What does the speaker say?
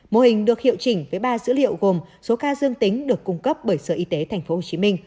mô hình được hiệu chỉnh với ba dữ liệu gồm số ca dương tính được cung cấp bởi sở y tế tp hcm